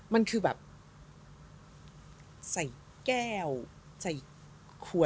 มันคือแบบใส่แก้วใส่ขวด